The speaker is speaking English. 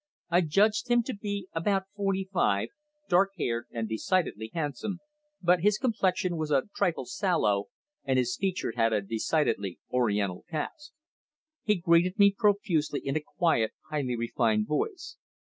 I judged him to be about forty five, dark haired and decidedly handsome, but his complexion was a trifle sallow, and his features had a decidedly Oriental cast. He greeted me profusely in a quiet, highly refined voice.